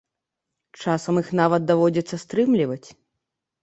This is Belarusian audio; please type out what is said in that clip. Часам іх нават даводзіцца стрымліваць.